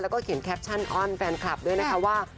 แล้วก็เขียนแคปชั่นอ้อนแฟนคลับด้วยนะคะว่า